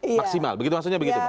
maksimal maksudnya begitu